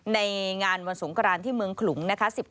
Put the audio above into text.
ในงานวันสงครานที่เมืองขลุงนะคะ